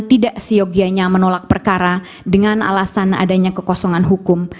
tidak seyogianya menolak perkara dengan alasan adanya kekosongan hukum